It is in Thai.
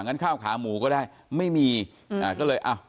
งั้นข้าวขาหมูก็ได้ไม่มีอืมอ่าก็เลยอ้าว